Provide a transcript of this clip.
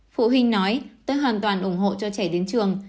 phụ huynh nói tôi hoàn toàn ủng hộ cho trẻ đến trường